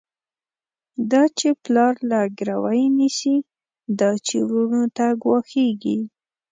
دا چی پلار له ګروی نيسی، دا چی وروڼو ته ګواښيږی